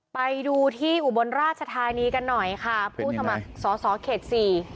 ไปดูที่อุบลราชทายนี้กันหน่อยค่ะเป็นยังไงพูดข้อสอเขตสี่